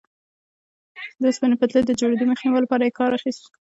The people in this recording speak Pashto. د اوسپنې پټلۍ د جوړېدو مخنیوي لپاره یې کار اخیست.